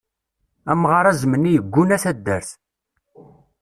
Amɣar azemni yegguna taddart.